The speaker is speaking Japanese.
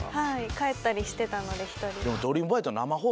帰ったりしてたので一人。